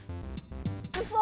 うそ！